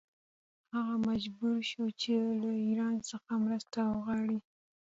هغه مجبور شو چې له ایران څخه مرسته وغواړي.